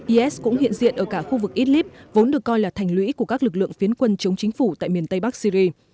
is cũng hiện diện ở cả khu vực idlib vốn được coi là thành lũy của các lực lượng phiến quân chống chính phủ tại miền tây bắc syri